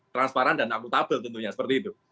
transparan dan akutabel tentunya seperti itu